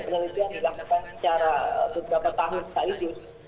penelitian dilakukan secara beberapa tahun sekaligus